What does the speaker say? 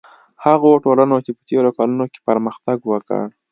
هغو ټولنو چې په تېرو کلونو کې پرمختګ وکړ.